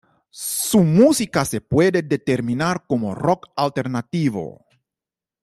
Su música se puede determinar como Rock Alternativo.